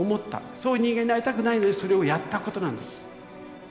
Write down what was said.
そういう人間になりたくないのにそれをやったことなんです。